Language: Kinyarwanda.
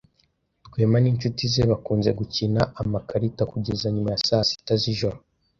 Rwema n'inshuti ze bakunze gukina amakarita kugeza nyuma ya saa sita z'ijoro.